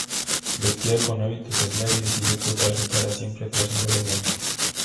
Vestía con hábito seglar y decidió ocultar su cara siempre tras un velo blanco.